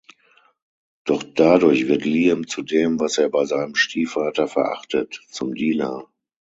Doch dadurch wird Liam zu dem, was er bei seinem Stiefvater verachtet: zum Dealer.